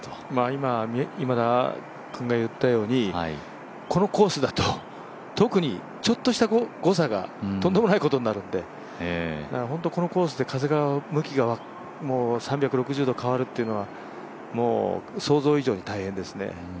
今、今田君が言ったようにこのコースだと特にちょっとした誤差がとんでもないことになるので、本当にこのコースで風の向きが３６０度変わるというのはもう想像以上に大変ですね。